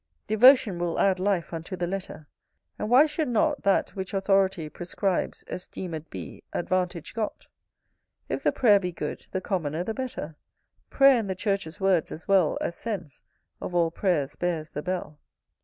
Devotion will add life unto the letter: And why should not That, which authority Prescribes, esteemed be Advantage got? If th' prayer be good, the commoner the better, Prayer in the Church's words, as well As sense, of all prayers bears the bell.